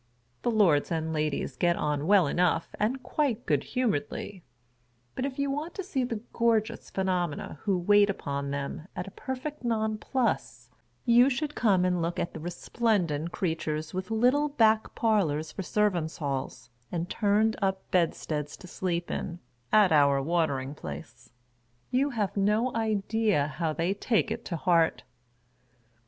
The lords and ladies get on well enough and quite good humoredly ; but if you want to see the gorgeous phenomena who wait upon them, at a perfect non plus, you should come and look at the resplendent creatures with little back parlors for Servants' Halls, and turn up bedsteads to sleep in, at our Watering Charles Dickens.] 435 Place. You have no idea how they take it to heart.